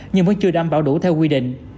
nhưng vẫn chưa đảm bảo đủ theo quy định